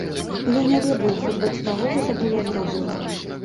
Я не ведаю, супраць каго гэта было зроблена.